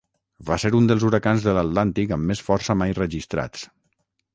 Va ser un dels huracans de l'Atlàntic amb més força mai registrats.